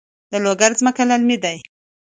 د لوګر ځمکې للمي دي